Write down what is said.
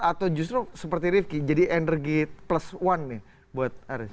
atau justru seperti rifki jadi energi plus one nih buat aris